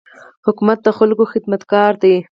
حکومت د خلکو خدمتګار دی.